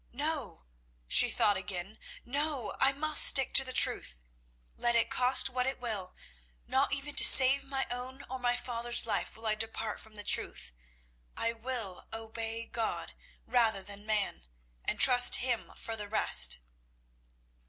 "No," she thought again, "no, I must stick to the truth. Let it cost what it will, not even to save my own or my father's life will I depart from the truth. I will obey God rather than man, and trust Him for the rest."